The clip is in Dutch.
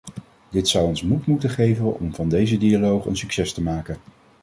Dit zou ons moed moeten geven om van deze dialoog een succes te maken.